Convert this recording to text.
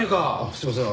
すいません。